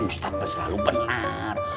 ustadz selalu benar